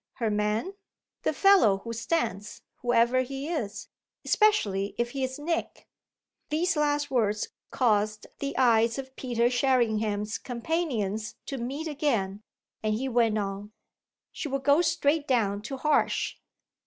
"Her man ?" "The fellow who stands, whoever he is especially if he's Nick." These last words caused the eyes of Peter Sherringham's companions to meet again, and he went on: "She'll go straight down to Harsh."